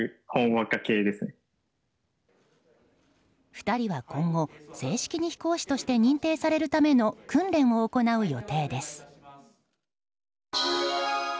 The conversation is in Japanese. ２人は今後正式に飛行士として認定されるための訓練を行う予定です。